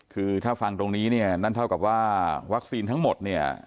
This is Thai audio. คือถ้าฟังตรงนี้เนี่ยนั่นเท่ากับว่าวัคซีนทั้งหมดเนี่ย